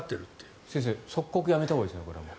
先生、即刻やめたほうがいいですね。